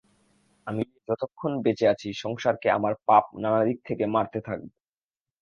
আমি যতক্ষণ বেঁচে আছি সংসারকে আমার পাপ নানা দিক থেকে মারতে থাকবে।